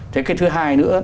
thế cái thứ hai nữa